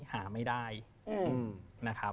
หาไม่ได้นะครับ